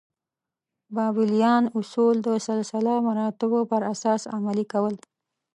بابلیان اصول د سلسله مراتبو پر اساس عملي کول.